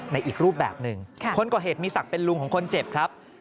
อีกรูปแบบหนึ่งคนก่อเหตุมีศักดิ์เป็นลุงของคนเจ็บครับ